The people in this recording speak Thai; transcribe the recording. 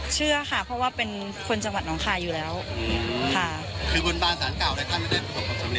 เชื่อค่ะเพราะว่าเป็นคนจังหวัดน้องคายอยู่แล้วค่ะคือบนบานสารเก่าแล้วท่านไม่ได้ประสบความสำเร็